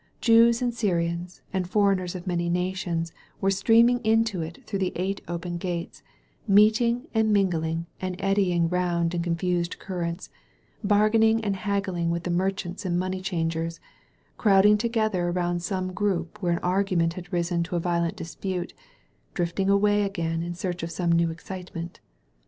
Jews and Syrians and foreigners of many nations were streaming into it through the eight open gates, meeting and mingling and eddying round in con fused currents, bargaining and haggling with the merchants and money changers, crowding together around some group where argument had risen to a violent dispute, drifting away again in search of some new excitement.